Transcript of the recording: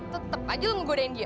tetep aja lo ngegodain dia